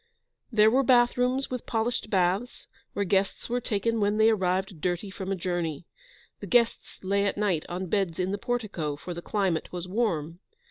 There were bath rooms with polished baths, where guests were taken when they arrived dirty from a journey. The guests lay at night on beds in the portico, for the climate was warm.